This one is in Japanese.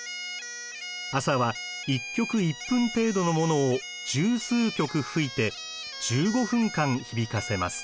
朝は１曲１分程度のものを十数曲吹いて１５分間響かせます。